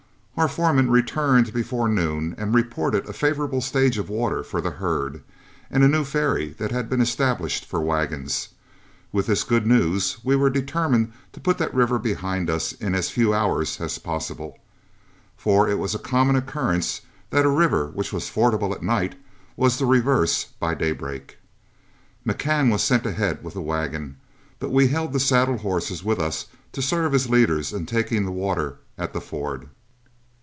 Our foreman returned before noon and reported a favorable stage of water for the herd, and a new ferry that had been established for wagons. With this good news, we were determined to put that river behind us in as few hours as possible, for it was a common occurrence that a river which was fordable at night was the reverse by daybreak. McCann was sent ahead with the wagon, but we held the saddle horses with us to serve as leaders in taking the water at the ford.